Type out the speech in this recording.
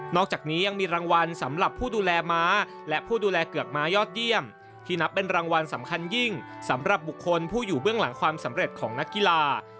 อกจากนี้ยังมีรางวัลสำหรับผู้ดูแลม้าและผู้ดูแลเกือกม้ายอดเยี่ยมที่นับเป็นรางวัลสำคัญยิ่งสำหรับบุคคลผู้อยู่เบื้องหลังความสำเร็จของนักกีฬา